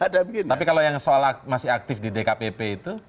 tapi kalau yang soal masih aktif di dkpp itu